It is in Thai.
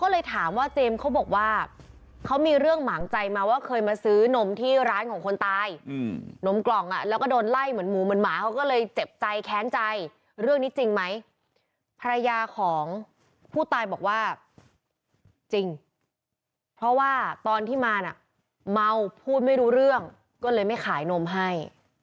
แล้วก็โดนไล่เหมือนหมูเหมือนหมาเขาก็เลยเจ็บใจแค้นใจเรื่องนี้จริงมั้ยภรรยาของผู้ตายบอกว่าจริงเพราะว่าตอนที่มาน่ะเมาพูดไม่รู้เรื่องก็เลยไม่ขายนมให้